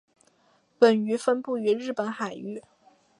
本鱼分布于日本海域。